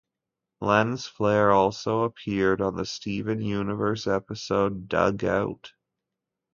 Lens flare also appeared on the Steven Universe episode Doug Out.